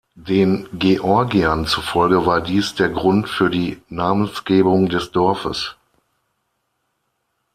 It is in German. Den Georgiern zufolge war dies der Grund für die Namensgebung des Dorfes.